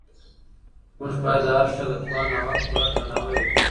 موږ باید د هر چا د توان او حق پوره درناوی وکړو.